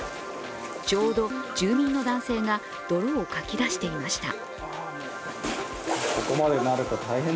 ちょうど住民の男性が泥をかき出していました。